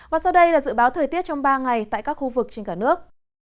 và sau đây là dự báo thời tiết trong ba ngày tại các khu vực trên cả nước